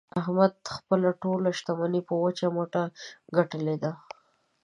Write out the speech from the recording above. احمد خپله ټوله شمني په وچ مټه ګټلې ده.